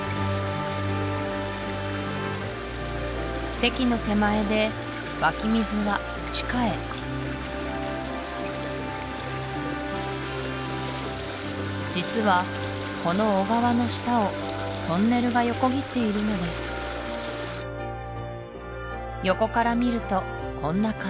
堰の手前で湧き水は地下へ実はこの小川の下をトンネルが横切っているのです横から見るとこんな感じ